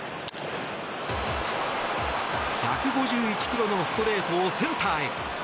１５１キロのストレートをセンターへ。